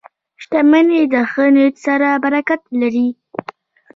• شتمني د ښه نیت سره برکت لري.